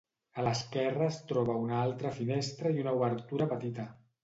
A l'esquerra es troba una altra finestra i una obertura petita.